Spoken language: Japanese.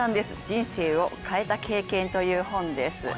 「人生を変えた経験」という本です。